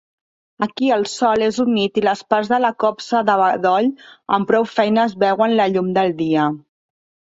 Aquí el sòl és humit i les parts de la Copse de bedoll amb prou feines veuen la llum del dia.